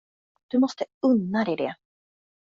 Du måste unna dig det.